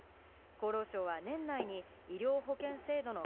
厚労省は年内に、医療保険制度の